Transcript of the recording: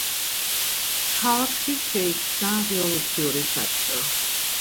ქალაქში შეიქმნა რევოლუციური საბჭო.